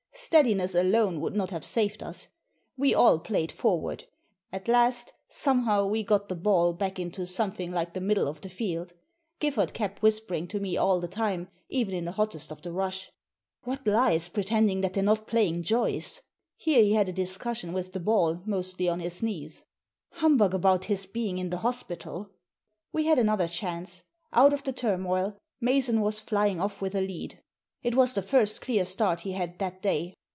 Steadiness alone would not have saved us. We all played forward. At last, somehow, we got the ball back into something like the middle of the field. Giffard kept whispering to me all the time, even in the hottest of the rush. "What lies, pretending that they're not pla)^ng Joyce!" Here he had a discussion with the ball, mostly on his knees. " Humbug about his being in the hospital!" We had another chance. Out of the turmoil. Mason was flying off with a lead. It was the first clear start he had that day.